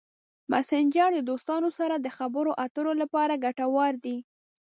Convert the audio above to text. مسېنجر د دوستانو سره د خبرو اترو لپاره ګټور دی.